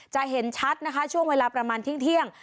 จะเห็นชัดช่วงเวลาประมาณที่เที่ยง